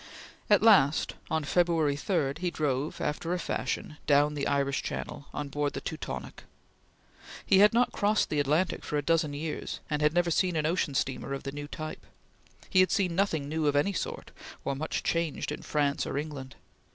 At last, on February 3, he drove, after a fashion, down the Irish Channel, on board the Teutonic. He had not crossed the Atlantic for a dozen years, and had never seen an ocean steamer of the new type. He had seen nothing new of any sort, or much changed in France or England.